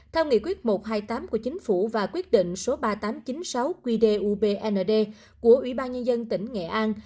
theo nghị quyết một trăm hai mươi tám của chính phủ và quyết định số ba nghìn tám trăm chín mươi sáu qdubnd của ủy ban nhân dân tỉnh nghệ an